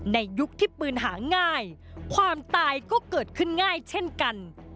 ยุคที่ปืนหาง่ายความตายก็เกิดขึ้นง่ายเช่นกัน